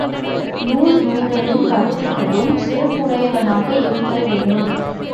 நூல் நுதலும் கருத்துக்களும், சிறப்புடையனவாக இருத்தல் வேண்டும்.